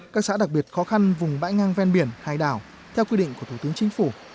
các xã đặc biệt khó khăn vùng bãi ngang ven biển hai đảo theo quy định của thủ tướng chính phủ